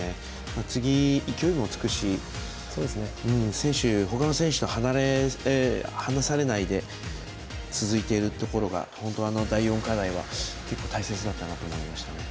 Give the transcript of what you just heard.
次、勢いもつくし他の選手と離されないで続いているところが第４課題は大切だったなと思いましたね。